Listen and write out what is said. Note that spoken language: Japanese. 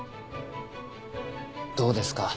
どうですか？